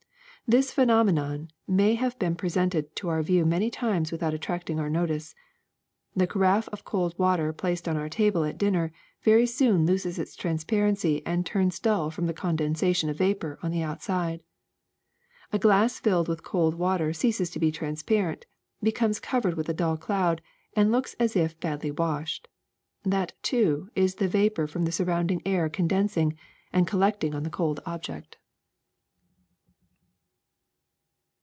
This phenomenon may have been presented to our view many times without attracting our notice. The carafe of cold water placed on our table at din ner very soon I'oses its transparency and turns dull from the condensation of vapor on the outside. A glass filled with cold water ceases to be transparent, becomes covered with a dull cloud, and looks as if badly washed. That, too, is the vapor from the sur rounding air condensing — and collecting on the cold object.''